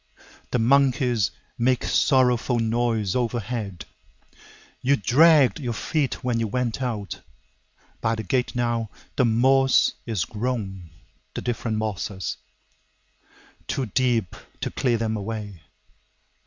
The monkeys make sorrowful noise overhead. You dragged your feet when you went out. By the gate now, the moss is grown, the different mosses, Too deep to clear them away!